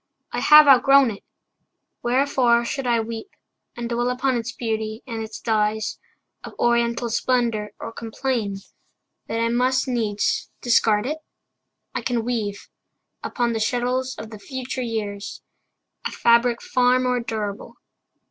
I have outgrown it. Wherefore should I weep And dwell upon its beauty, and its dyes Of oriental splendor, or complain That I must needs discard it? I can weave Upon the shuttles of the future years A fabric far more durable.